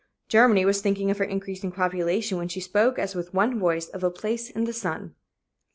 Germany was thinking of her increasing population when she spoke as with one voice of a "place in the sun."